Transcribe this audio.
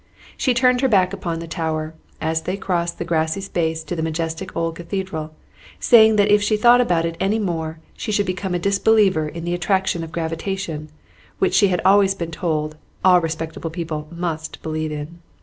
She turned her back upon the tower, as they crossed the grassy space to the majestic old Cathedral, saying that if she thought about it any more, she should become a disbeliever in the attraction of gravitation, which she had always been told all respectable people must believe in.